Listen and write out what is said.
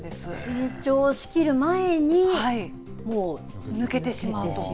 成長しきる前にもう抜けてしまうと。